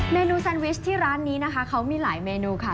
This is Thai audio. เนูแซนวิชที่ร้านนี้นะคะเขามีหลายเมนูค่ะ